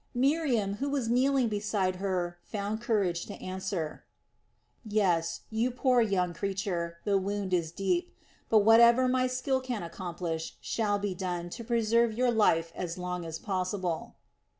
Miriam, who was kneeling beside her, found courage to answer: "Yes, you poor young creature, the wound is deep, but whatever my skill can accomplish shall be done to preserve your life as long as possible."